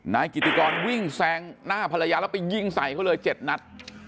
นายกิติกรวิ่งแซงหน้าภรรยาแล้วไปยิงใส่เขาเลย๗นัด